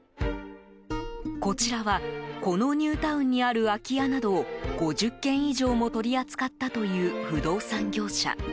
こちらはこのニュータウンにある空き家などを５０件以上も取り扱ったという不動産業者。